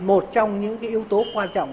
một trong những yếu tố quan trọng